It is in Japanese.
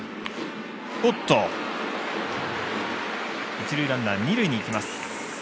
一塁ランナー、二塁に行きます。